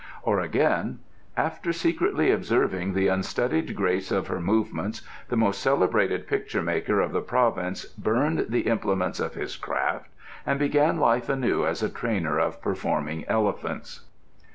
ŌĆØ Or again: ŌĆ£After secretly observing the unstudied grace of her movements, the most celebrated picture maker of the province burned the implements of his craft, and began life anew as a trainer of performing elephants.